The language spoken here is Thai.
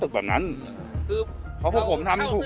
ทุกคนเขาจะรู้หมดมาก